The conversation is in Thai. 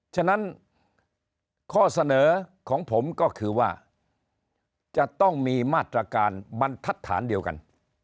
ฉะนั้นข้อเสนอของผมก็คือว่าจะต้องมีมาตรการบรรทัศน์เดียวกัน